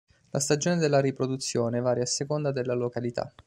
La stagione della riproduzione varia a seconda delle località.